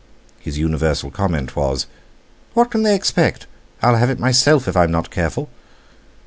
His universal comment was: "What can they expect? I have it myself, if I'm not careful!"